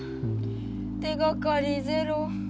手がかりゼロ。